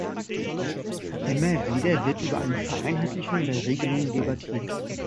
Immer wieder wird über eine Vereinheitlichung der Regelungen debattiert.